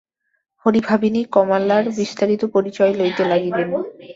হরিভাবিনী কমলার বিস্তারিত পরিচয় লইতে লাগিলেন।